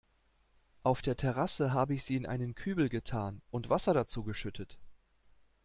Auf der Terrasse hab ich sie in einen Kübel getan und Wasser dazu geschüttet.